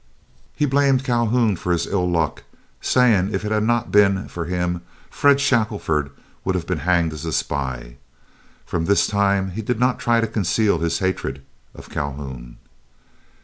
He blamed Calhoun for his ill luck, saying if it had not been for him, Fred Shackelford would have been hanged as a spy. From this time he did not try to conceal his hatred of Calhoun.